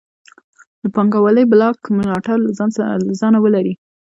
د پانګوالۍ بلاک ملاتړ له ځانه ولري.